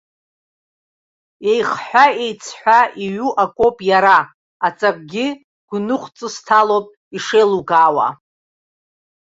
Еихҳаеиҵҳәа иҩу акоуп иара, аҵакгьы гәныхәҵысҭалоуп ишеилукаауа.